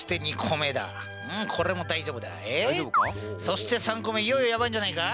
そして３個目いよいよヤバいんじゃないか？